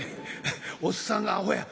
おっさんあほや」。